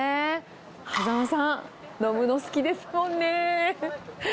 羽佐間さん、飲むの好きですもんね。